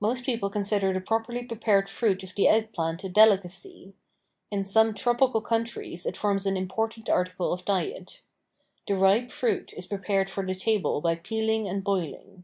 Most people consider the properly prepared fruit of the Egg plant a delicacy. In some tropical countries it forms an important article of diet. The ripe fruit is prepared for the table by peeling and boiling.